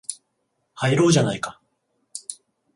入ろうじゃないか